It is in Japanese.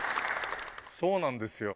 そうなんですよ